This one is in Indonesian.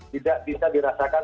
tidak bisa dirasakan